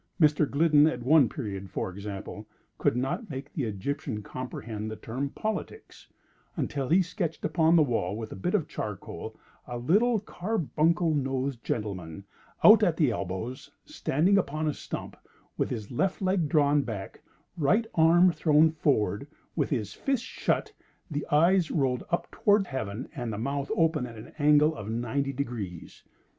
Mr. Gliddon, at one period, for example, could not make the Egyptian comprehend the term "politics," until he sketched upon the wall, with a bit of charcoal a little carbuncle nosed gentleman, out at elbows, standing upon a stump, with his left leg drawn back, right arm thrown forward, with his fist shut, the eyes rolled up toward Heaven, and the mouth open at an angle of ninety degrees.